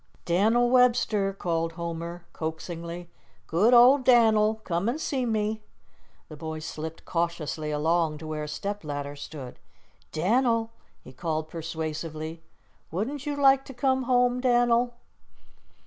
"Dan'l Webster," called Homer, coaxingly, "good old Dan'l, come an' see me." The boy slipped cautiously along to where a step ladder stood. "Dan'l," he called persuasively, "wouldn't you like to come home, Dan'l?"